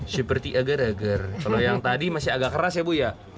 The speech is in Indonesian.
seperti agar eger kalau yang tadi masih agak keras ya bu ya